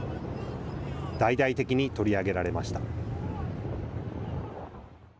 大々的に取り上げられました。